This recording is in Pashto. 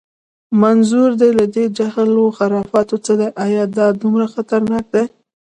منظور دې له دې جهل و خرافاتو څه دی؟ ایا دا دومره خطرناک دي؟